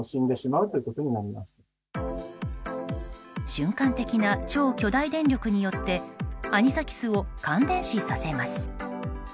瞬間的な超巨大電力によってアニサキスを感電死させます。